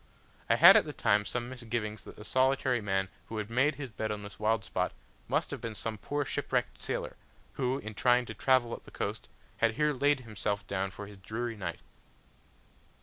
I had at the time some misgivings that the solitary man who had made his bed on this wild spot, must have been some poor shipwrecked sailor, who, in trying to travel up the coast, had here laid himself down for his dreary night.